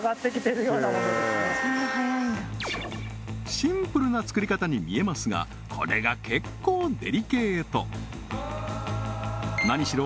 シンプルな作り方に見えますがこれが結構デリケート何しろ